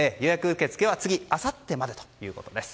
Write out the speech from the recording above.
受け付けはあさってまでということです。